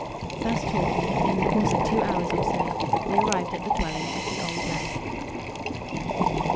Thus talking, in the course of two hours or so we arrived at the dwelling of the old laird.